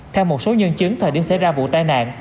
theo một số nhân chứng thời điểm xảy ra vụ tai nạn